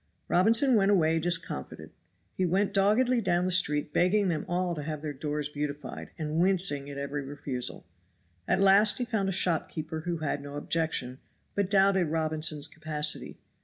Robinson went away discomfited; he went doggedly down the street begging them all to have their doors beautified, and wincing at every refusal. At last he found a shopkeeper who had no objection, but doubted Robinson's capacity.